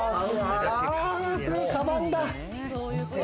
かばんだ。